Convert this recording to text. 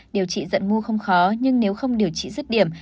điều trị giận mu không khó nhưng nếu không điều trị dứt điểm